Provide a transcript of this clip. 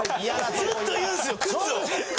ずっと言うんですよ靴を。